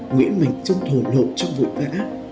nguyễn mạnh trân thổ lộ trong vội vã